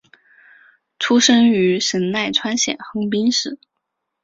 出身于神奈川县横滨市。